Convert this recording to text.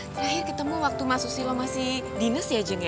terakhir ketemu waktu mas susilo sama si dinos ya junya